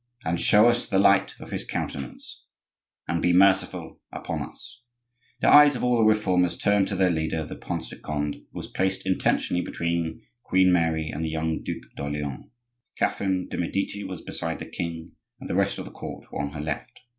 And show us the light of his countenance, And be merciful unto us." The eyes of all the Reformers turned to their leader, the Prince de Conde, who was placed intentionally between Queen Mary and the young Duc d'Orleans. Catherine de' Medici was beside the king, and the rest of the court were on her left.